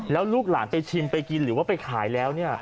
แล้วลูกหลานไปชิมไปกินหรือว่าไปขายแล้วเนี่ย